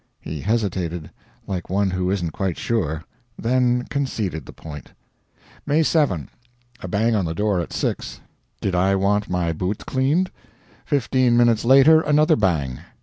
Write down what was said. He hesitated like one who isn't quite sure then conceded the point. May 7. A bang on the door at 6. Did I want my boots cleaned? Fifteen minutes later another bang.